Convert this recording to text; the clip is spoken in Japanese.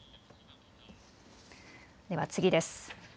では次です。